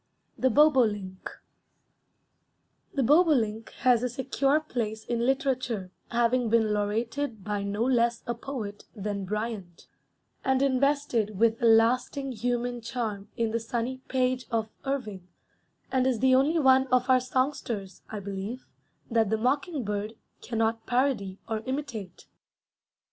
THE BOBOLINK The bobolink has a secure place in literature, having been laureated by no less a poet than Bryant, and invested with a lasting human charm in the sunny page of Irving, and is the only one of our songsters, I believe, that the mockingbird cannot parody or imitate.